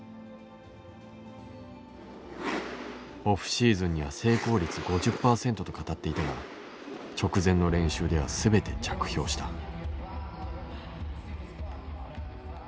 オフシーズンには成功率５０％と語っていたが直前の練習では全て着氷した。